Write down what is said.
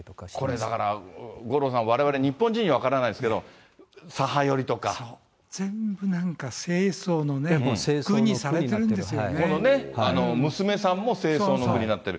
これ、だから五郎さん、われわれ日本人には分からないですけ全部なんか政争の具にされてこのね、娘さんも政争の具になってる。